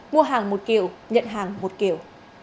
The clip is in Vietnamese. mua hàng một kiểu nhận hàng một kiểu